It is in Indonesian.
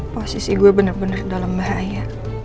posisi gue bener bener dalam bahaya